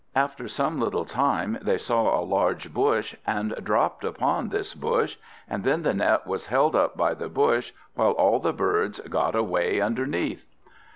After some little time they saw a large bush, and dropped upon this bush; then the net was held up by the bush, while all the birds got away underneath.